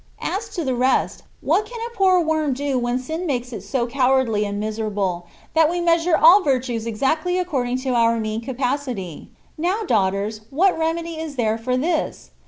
As to the rest, what can a poor worm do when sin makes it so cowardly and miserable, that we measure all virtues exactly according to our mean capacity. Now, daughters, what remedy is there for this